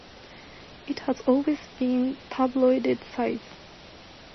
It has always been tabloid-size.